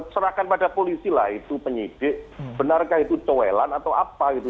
serahkan pada polisi lah itu penyidik benarkah itu cowelan atau apa gitu